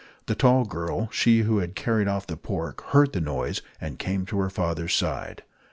The tall girl, she who had carried off the pork, heard the noise, and came to her father's side.